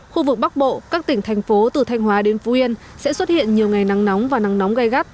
khu vực bắc bộ các tỉnh thành phố từ thanh hóa đến phú yên sẽ xuất hiện nhiều ngày nắng nóng và nắng nóng gai gắt